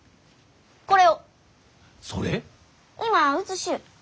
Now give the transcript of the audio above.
今写しゆう。